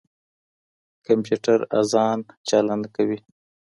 کمپيوټر آذان چالانه کوي.